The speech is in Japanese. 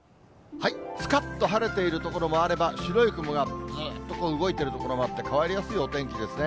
すかっと晴れている所もあれば、白い雲がずっと動いている所もあって、変わりやすいお天気ですね。